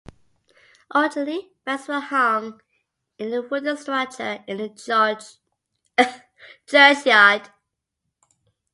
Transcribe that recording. Originally, bells were hung in a wooden structure in the churchyard.